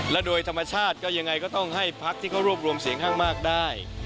และโดยธรรมชาติก็ยังไงก็ต้องให้พักที่เขารวบรวมเสียงข้างมากได้